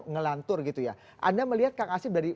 ngelantur gitu ya anda melihat kang asep dari